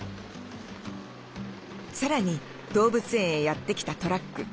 さらに動物園へやって来たトラック。